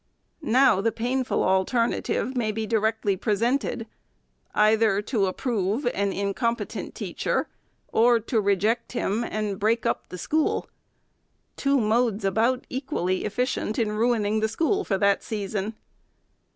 Now, the painful alternative may be directly presented, either to o94 THE SECEETABY'S approve an incompetent teacher, or to reject him and break up the school :— two modes about equally efficient in ruining the school for that season.